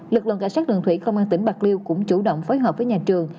lực lượng cảnh sát đường thủy công an tỉnh bạc liêu cũng chủ động phối hợp với nhà trường